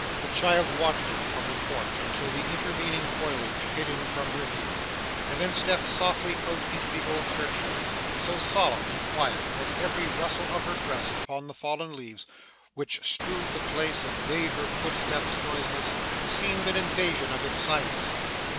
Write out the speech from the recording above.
The child watched him from the porch until the intervening foliage hid him from her view, and then stepped softly out into the old churchyard so solemn and quiet that every rustle of her dress upon the fallen leaves, which strewed the path and made her footsteps noiseless, seemed an invasion of its silence.